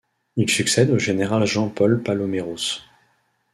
Il succède au général Jean-Paul Paloméros.